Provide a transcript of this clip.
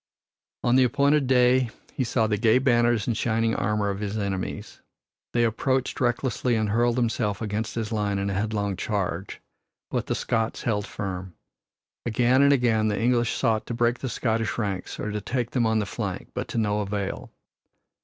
On the appointed day he saw the gay banners and shining armor of his enemies. They approached recklessly and hurled themselves against his line in a headlong charge. But the Scots held firm. Again and again the English sought to break the Scottish ranks or to take them on the flank, but to no avail.